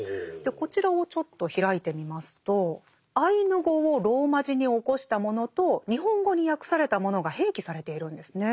こちらをちょっと開いてみますとアイヌ語をローマ字に起こしたものと日本語に訳されたものが併記されているんですね。